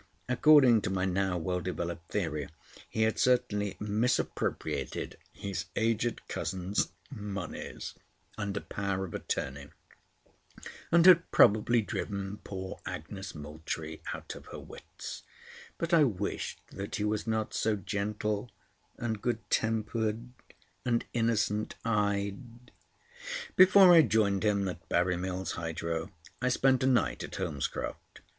According to my now well developed theory he had certainly misappropriated his aged cousins' monies under power of attorney, and had probably driven poor Agnes Moultrie out of her wits, but I wished that he was not so gentle, and good tempered, and innocent eyed. Before I joined him at Burry Mills Hydro, I spent a night at Holmescroft.